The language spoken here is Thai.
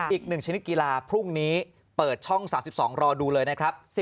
อีก๑ชนิดกีฬาพรุ่งนี้เปิดช่อง๓๒รอดูเลยนะครับ